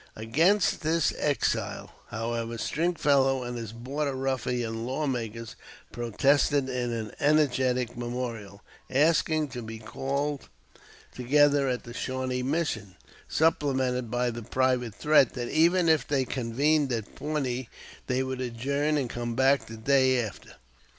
Against this exile, however, Stringfellow and his Border Ruffian lawmakers protested in an energetic memorial, asking to be called together at the Shawnee Mission, supplemented by the private threat that even if they convened at Pawnee, they would adjourn and come back the day after.